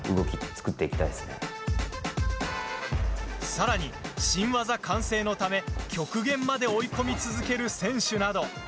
さらに、新技完成のため極限まで追い込み続ける選手など。